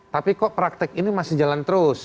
tapi kok praktek ini masih jalan terus